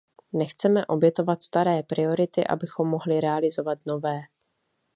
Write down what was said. Nechceme obětovat staré priority, abychom mohli realizovat nové.